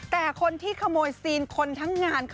แต่คนที่ขโมยซีนคนทั้งงานค่ะ